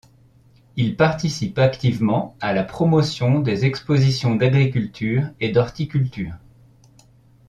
Il participe activement à la promotion des expositions d'agriculture et d'horticulture.